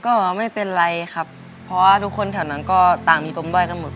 ก็ไม่เป็นไรครับเพราะว่าทุกคนแถวนั้นก็ต่างมีปมด้อยกันหมด